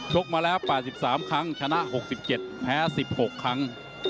กมาแล้ว๘๓ครั้งชนะ๖๗แพ้๑๖ครั้ง